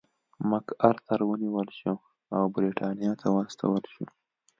مک ارتر ونیول شو او برېټانیا ته واستول شو.